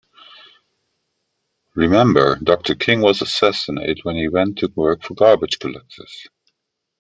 Remember, Doctor King was assassinated when he went to work for garbage collectors.